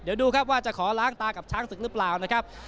เดี๋ยวดูครับว่าจะขอล้างตากับช้างศึกหรือเปล่านะครับ